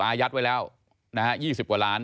อายัดไว้แล้วนะฮะ๒๐กว่าล้าน